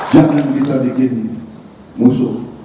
jangan kita bikin musuh